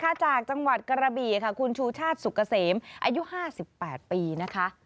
ครับจากจังหวัดกระบีคุณชูชาติสุขเสมอายุ๕๘ปีนะคะ